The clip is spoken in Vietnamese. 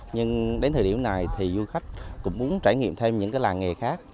nhưng đến thời điểm này du khách cũng muốn trải nghiệm thêm những làng nghề khác